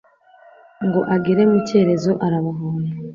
Ngo agere mu Cyerezo arabahonda.